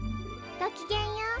・ごきげんよう。